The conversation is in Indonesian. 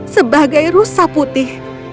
sebagai rusa putih